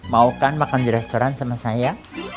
mau kan makan di restoran sama saya